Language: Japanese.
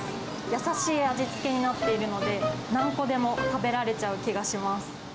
優しい味付けになっているので、何個でも食べられちゃう気がします。